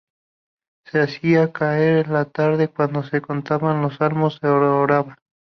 Se hacía al caer la tarde, cuando se cantaban los salmos y se oraba.